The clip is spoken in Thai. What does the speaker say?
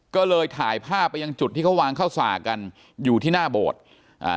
ก็เลยถ่ายภาพไปยังจุดที่เขาวางเข้าสากกันอยู่ที่หน้าโบสถ์อ่า